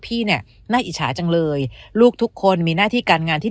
พี่เนี่ยน่าอิจฉาจังเลยลูกทุกคนมีหน้าที่การงานที่